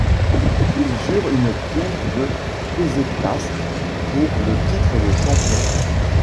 Ils eurent une prime de pesetas pour le titre de champions.